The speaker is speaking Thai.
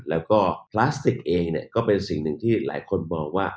แล้วก็พลาสติกเองก็เป็นสิ่งหนึ่งที่หลายคนบอกว่า